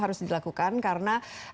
harus dilakukan karena